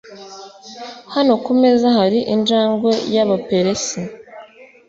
Hano ku meza hari injangwe y’Abaperesi.